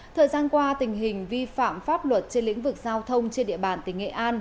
thời gian qua tình hình vi phạm pháp luật trên lĩnh vực giao thông trên địa bàn tỉnh nghệ an